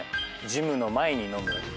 ジムの前に飲む。